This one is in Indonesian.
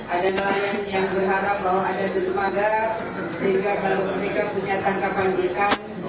ada nelayan yang berharap bahwa ada detemaga sehingga kalau mereka punya tangkapan jk